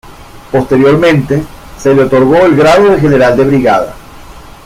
Posteriormente se le otorgó el grado de general de brigada.